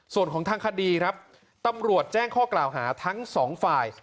ส่วนของทางคดีครับตำรวจแจ้งข้อกล่าวหาทั้งสองฝ่าย